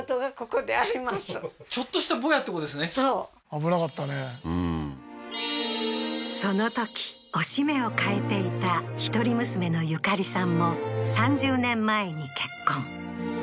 危なかったねうんそのときおしめを替えていた一人娘のユカリさんも３０年前に結婚